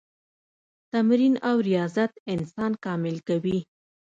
تمرین او ریاضت انسان کامل کوي.